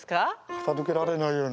片づけられないよね。